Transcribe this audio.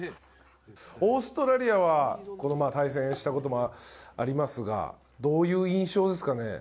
オーストラリアはこの前対戦したことはありますがどういう印象ですか？